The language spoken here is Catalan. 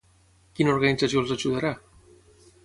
Quina organització els ajudarà?